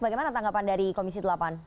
bagaimana tanggapan dari komisi delapan